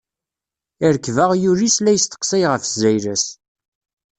Irkeb aɣyul-is, la isteqsay ɣef zzayla-s.